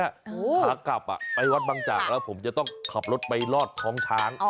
ขากลับไปวัดบางจากแล้วผมจะต้องขับรถไปรอดท้องช้าง